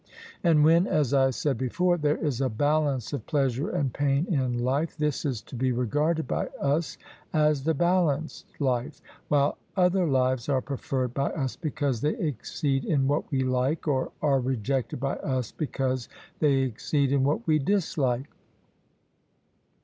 And when, as I said before, there is a balance of pleasure and pain in life, this is to be regarded by us as the balanced life; while other lives are preferred by us because they exceed in what we like, or are rejected by us because they exceed in what we dislike.